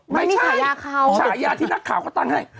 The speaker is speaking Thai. ไม่ใช่ฉายาที่นักข่าวเขาตั้งให้